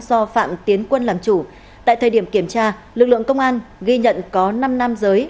do phạm tiến quân làm chủ tại thời điểm kiểm tra lực lượng công an ghi nhận có năm nam giới